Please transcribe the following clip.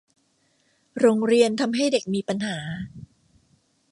โรงเรียนทำให้เด็กมีปัญหา